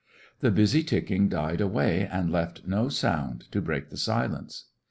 The busy ticking died away and left no sound to break the silence.